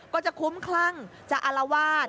ก็จะคุ้มคลั่งจะอารวาส